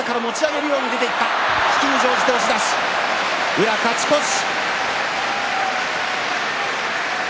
宇良、勝ち越し。